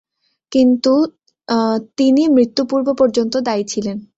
তিনি মৃত্যু-পূর্ব পর্যন্ত দায়িত্বে ছিলেন।